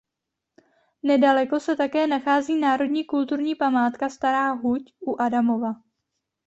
Nedaleko se také nachází národní kulturní památka Stará huť u Adamova.